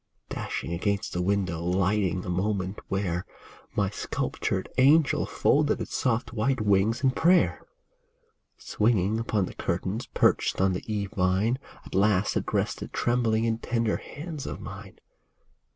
Dashing against the window ; Lighting a moment where My sculptured angel folded Its soft white wings in prayer | Swinging upon the curtains ; Perched on the ivy vine ; At last it rested trembling In tender hands of mine.